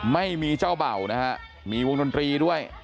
ไม่มีเจ้าเบ่านะฮะมีวงดนตรีด้วย